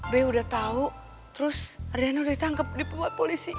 b udah tahu terus adriana udah ditangkep di pemat polisi